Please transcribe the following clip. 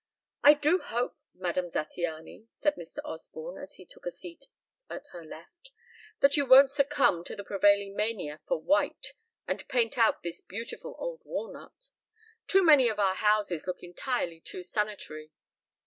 "I do hope, Madame Zattiany," said Mr. Osborne, as he took a seat at her left, "that you won't succumb to the prevailing mania for white, and paint out this beautiful old walnut. Too many of our houses look entirely too sanitary.